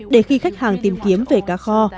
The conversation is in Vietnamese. để khi khách hàng tìm kiếm về cá kho